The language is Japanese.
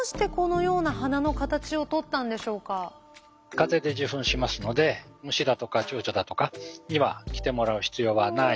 風で受粉しますので虫だとかチョウチョだとかには来てもらう必要はない。